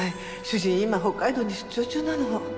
主人今北海道に出張中なの。